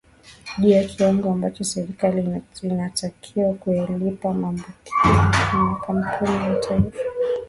juu ya kiwango ambacho serikali inatakiwa kuyalipa makampuni ya mafuta